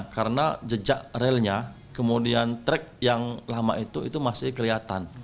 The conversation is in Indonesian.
karena jejak relnya kemudian trek yang lama itu masih kelihatan